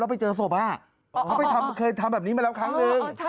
แล้วไปเจอสวบภาพเขาเคยทำแบบนี้มาแล้วครั้งหนึ่ง